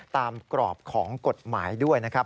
กรอบของกฎหมายด้วยนะครับ